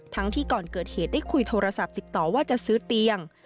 ที่ก่อนเกิดเหตุได้คุยโทรศัพท์ติดต่อว่าจะซื้อเตียง